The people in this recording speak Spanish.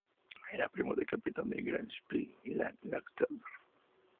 Era primo del capitán del "Graf Spee", Hans Langsdorff.